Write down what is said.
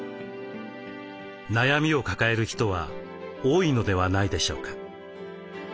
悩みを抱える人は多いのではないでしょうか。